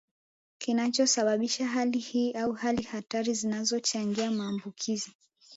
Kinachosababisha hali hii au Hali hatari zinazochangia maambukizi